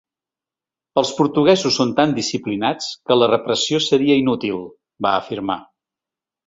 Els portuguesos són tan disciplinats que la repressió seria inútil, va afirmar.